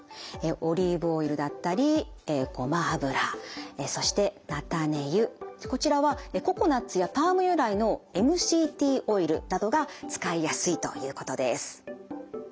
オリーブオイルだったりごま油そしてなたね油こちらはココナツやパーム由来のＭＣＴオイルなどが使いやすいということです。